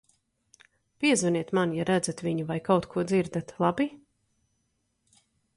Piezvaniet man, ja redzat viņu vai kaut ko dzirdat, labi?